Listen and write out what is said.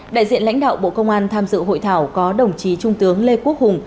đại diện lãnh đạo bộ công an tham dự hội thảo có đồng chí trung tướng lê quốc hùng